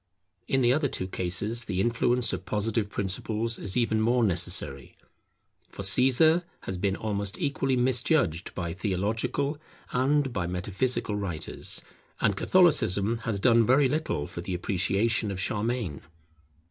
In the other two cases the influence of Positive principles is even more necessary. For Caesar has been almost equally misjudged by theological and by metaphysical writers; and Catholicism has done very little for the appreciation of Charlemagne.